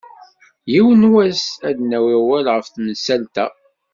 Yiwen n wass, ad d-nawi awal ɣef temsalt-a.